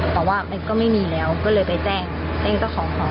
แต่ว่ามันก็ไม่มีแล้วก็เลยไปแจ้งแจ้งเจ้าของหอ